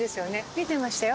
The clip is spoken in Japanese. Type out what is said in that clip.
見てましたよ。